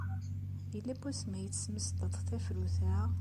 Yella wasmi ay tesmesdeḍ tafrut-a?